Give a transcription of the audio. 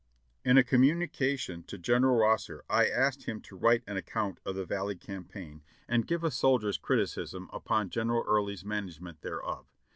In a communication to General Rosser I asked him to write an account of the Valley Campaign, and give a soldier's criticism upon General Early's management thereof.